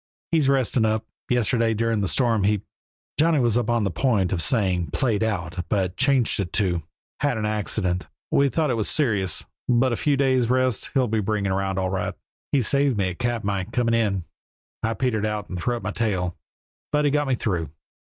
"He's resting up. Yesterday, during the storm he " Johnny was upon the point of saying "played out," but changed it to "had an accident. We thought it was serious, but a few days' rest'll bring him around all right. He saved me at Katmai, coming in. I petered out and threw up my tail, but he got me through.